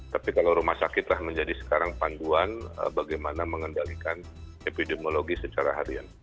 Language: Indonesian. tapi kalau rumah sakitlah menjadi sekarang panduan bagaimana mengendalikan epidemiologi secara harian